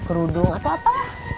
kerudung atau apa